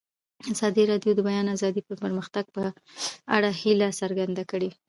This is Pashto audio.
ازادي راډیو د د بیان آزادي د پرمختګ په اړه هیله څرګنده کړې.